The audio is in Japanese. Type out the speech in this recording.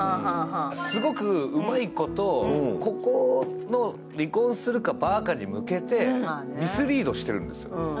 すごくうまいこと、ここの離婚するか、ばーかに向けて、ミスりードしているんです。